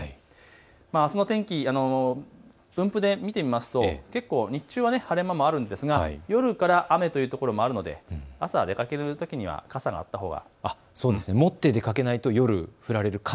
あすの天気、分布で見てみますと日中は晴れ間もあるんですが夜から雨というところもあるので朝出かけるときには傘あったほうがいいと思います。